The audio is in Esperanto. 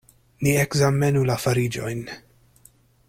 Ni ekzamenu la fariĝojn.